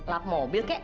lap mobil kek